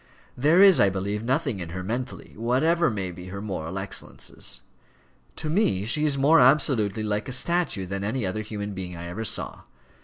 There is, I believe, nothing in her mentally, whatever may be her moral excellences. To me she is more absolutely like a statue than any other human being I ever saw.